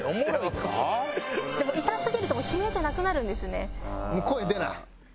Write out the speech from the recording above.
でも痛すぎるともう悲鳴じゃなくなるんですね。